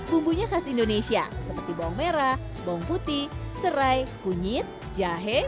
bumbunya khas indonesia seperti bawang merah bawang putih serai kunyit jahe